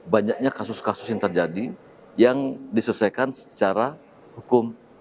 banyaknya kasus kasus yang terjadi yang diselesaikan secara hukum